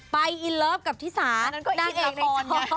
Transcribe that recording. ไปอีเลิฟกับธิษฐานั่งเอกในช้อน